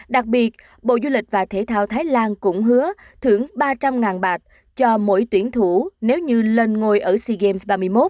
đặc biệt bộ du lịch và thể thao thái lan cũng hứa thưởng ba trăm linh bạt cho mỗi tuyển thủ nếu như lên ngôi ở sea games ba mươi một